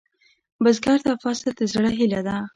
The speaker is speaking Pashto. بزګر ته فصل د زړۀ هيله ده